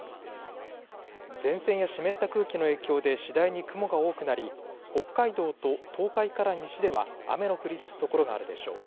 前線や湿った空気の影響で次第に雲が多くなり、北海道と東海から西では雨の降りだす所があるでしょう。